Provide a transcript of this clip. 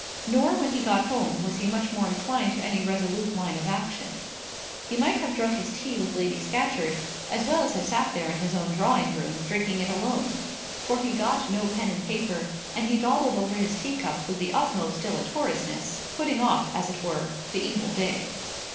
Nor when he got home was he much more inclined to any resolute line of action. He might have drunk his tea with Lady Scatcherd, as well as have sat there in his own drawing room, drinking it alone; for he got no pen and paper, and he dawdled over his teacup with the utmost dilatoriness, putting off, as it were, the evil day.